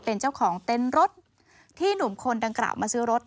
เป็นเจ้าของเต็นต์รถที่หนุ่มคนดังกล่าวมาซื้อรถ